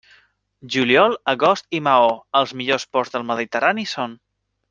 Juliol, agost i Maó, els millors ports del Mediterrani són.